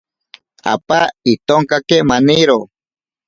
Apa itonkake maniro.